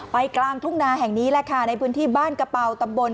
กลางทุ่งนาแห่งนี้แหละค่ะในพื้นที่บ้านกระเป๋าตำบล